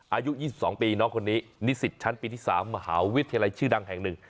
อายุ๒๒ปีน้องคนนี้นิสิตชั้นปีที่๓มหาวิทยาลัยชื่อดังแห่งหนึ่ง